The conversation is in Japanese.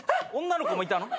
女の子もいたの？